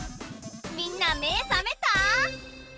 みんなめさめた？